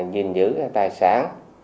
dình giữ tài sản